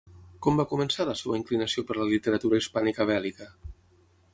Com va començar la seva inclinació per la literatura hispànica bèl·lica?